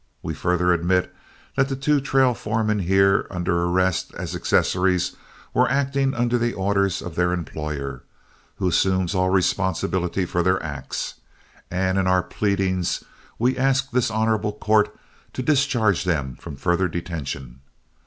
We further admit that the two trail foremen here under arrest as accessories were acting under the orders of their employer, who assumes all responsibility for their acts, and in our pleadings we ask this honorable court to discharge them from further detention.